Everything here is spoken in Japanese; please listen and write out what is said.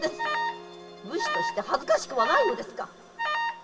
武士として恥ずかしくはないのですか？